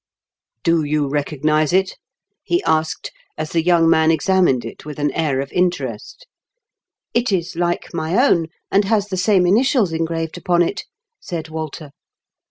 "Do you recognise it?" he asked, as the young man examined it with an air of interest. " It is like my own, .and has the same initials engraved upon it," said Walter.